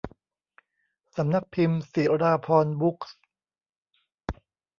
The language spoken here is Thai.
สำนักพิมพ์ศิราภรณ์บุ๊คส์